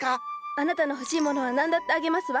あなたの欲しいものは何だってあげますわ。